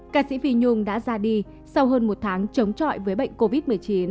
ca sĩ phi nhung đã ra đi sau hơn một tháng chống trọi với bệnh covid một mươi chín